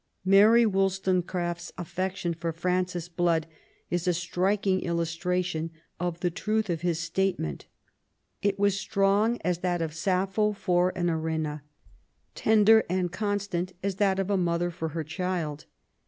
Mary WoUstonecraft's affection for Frances Blood is a striking illustration of the truth of his statement* It was strong as that of a Sappho for an Erinna ; tender and constant as that of a mother for her child.